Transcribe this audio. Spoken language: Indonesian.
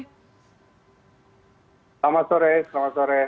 selamat sore selamat sore